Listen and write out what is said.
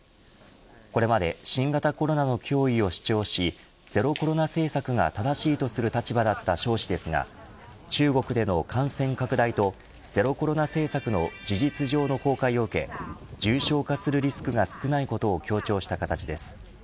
これまで新型コロナの脅威を主張しゼロコロナ政策が正しいとする立場だった鍾氏ですが中国での感染拡大とゼロコロナ政策の事実上の崩壊を受け重症化するリスクが少ないことを強調した形です。